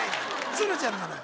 鶴ちゃんなのよ